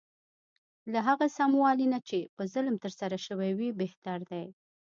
له هغه سموالي نه چې په ظلم ترسره شوی وي بهتر دی.